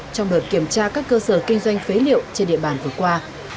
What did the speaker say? trong đợt kiểm tra các cơ sở kinh doanh phế liệu trên địa bàn vừa qua